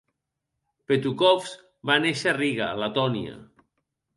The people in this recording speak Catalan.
Petukhovs va néixer a Riga, Letònia.